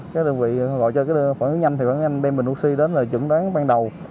các đơn vị gọi cho phản ứng nhanh phản ứng nhanh đem bệnh oxy đến là chuẩn đoán ban đầu